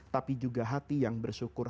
tapi juga hati yang bersyukur